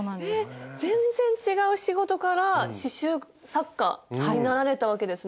全然違う仕事から刺しゅう作家になられたわけですね。